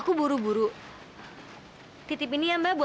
kau peras apa sama ibu